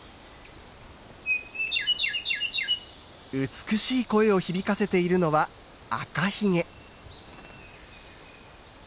美しい声を響かせているのはアカヒゲ。